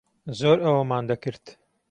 زۆر ئەوەمان دەکرد.